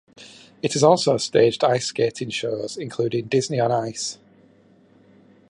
It has also staged ice-skating shows, including "Disney on Ice".